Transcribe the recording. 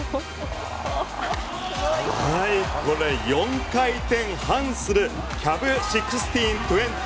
これ４回転半するキャブ１６２０